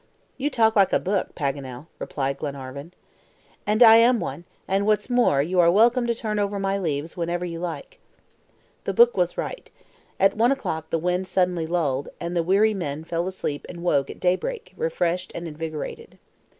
"You talk like a book, Paganel," replied Glenarvan. "And I am one; and what's more, you are welcome to turn over my leaves whenever you like." The book was right. At one o'clock the wind suddenly lulled, and the weary men fell asleep and woke at daybreak, refreshed and invigorated.